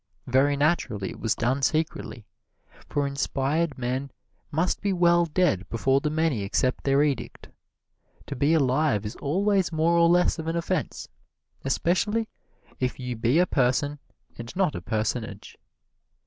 Very naturally it was done secretly, for inspired men must be well dead before the many accept their edict. To be alive is always more or less of an offense, especially if you be a person and not a personage.